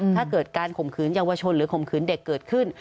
ถ้าเกิดการข่มขืนเยาวชนหรือข่มขืนเด็กเกิดขึ้น